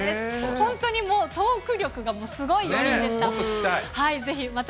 本当にもう、トーク力がすごい４人でした。